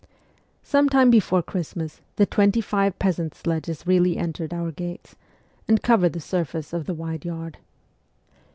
Some time before Christmas the twenty five peasant sledges really entered our gates, and covered the surface of the wide yard.